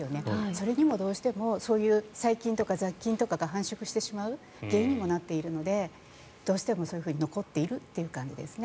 それにもどうしても細菌とか雑菌とかが繁殖してしまう原因にもなっているのでどうしてもそういうふうに残っているという感じですね。